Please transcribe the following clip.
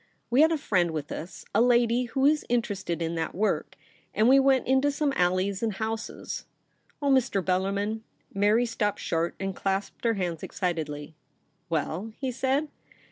We had a friend with us, a lady who is interested in that work ; and we went into some alleys and houses. Oh, Mr. Bellarmin !' Mary stopped short, and clasped her hands excitedly. 'Well?' he said.